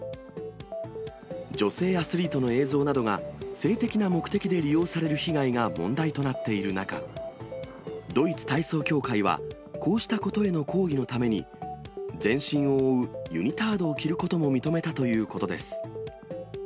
女性アスリートの映像などが、性的な目的で利用される被害が問題となっている中、ドイツ体操協会は、こうしたことへの抗議のために、全身を覆うユニタードを着ることを認めたということです。